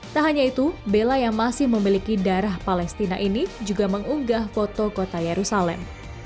tak hanya itu bella yang masih memiliki darah palestina ini juga mengunggah foto kota yerusalem